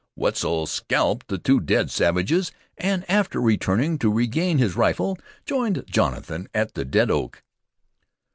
Wetzel scalped the two dead savages, and, after returning to regain his rifle, joined Jonathan at the dead oak.